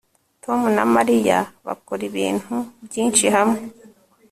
Tom na Mariya bakora ibintu byinshi hamwe